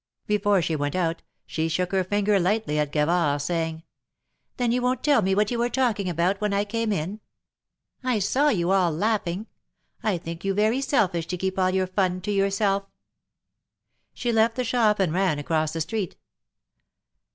Before she went out, she shook her finger lightly at Gavard, saying : "Then you wonft tell me what you were talking about when ]l^came in ? I saw you all laughing. I think you very selfish to keep all your fun to yourself." She left the shop, and ran across the street.